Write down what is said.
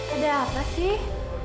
ada apa sih